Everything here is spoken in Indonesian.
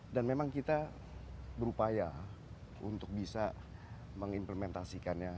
dan memang kita berupaya untuk bisa mengimplementasikannya